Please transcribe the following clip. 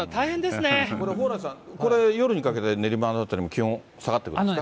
これ、蓬莱さん、これ夜にかけて練馬の辺りも気温下がってくるんですか。